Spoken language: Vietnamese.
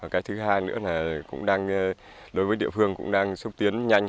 cái thứ hai nữa là cũng đối với địa phương cũng đang xúc tiến nhanh